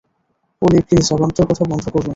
ওলি প্লিজ, অবান্তর কথা বন্ধ করুন।